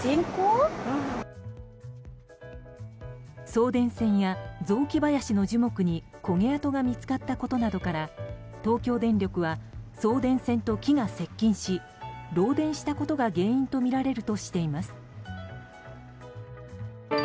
送電線や雑木林の樹木に焦げ跡が見つかったことなどから東京電力は、送電線と木が接近し漏電したことが原因とみられるとしています。